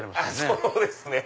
そうですね。